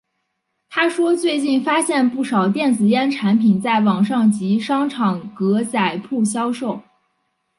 他说最近发现不少电子烟产品在网上及商场格仔铺销售。